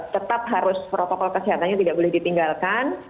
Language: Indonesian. tetap harus protokol kesehatannya tidak boleh ditinggalkan